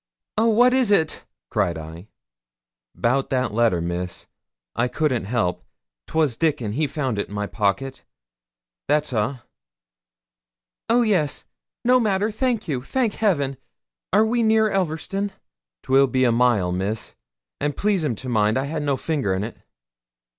'Oh, what is it?' cried I. ''Bout that letter, Miss; I couldn't help. 'Twas Dickon, he found it in my pocket. That's a'.' 'Oh yes! no matter thank you thank Heaven! Are we near Elverston?' ''Twill be a mile, Miss: and please'm to mind I had no finger in't.'